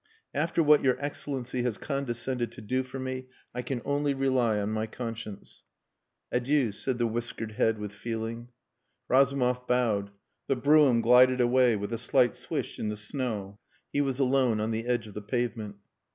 "After what your Excellency has condescended to do for me, I can only rely on my conscience." "Adieu," said the whiskered head with feeling. Razumov bowed. The brougham glided away with a slight swish in the snow he was alone on the edge of the pavement.